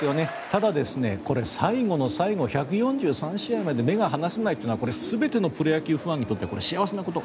ただ、最後の最後１４３試合まで目が離せないというのは全てのプロ野球ファンにとってこれは幸せなこと。